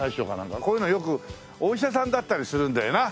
こういうのよくお医者さんだったりするんだよな。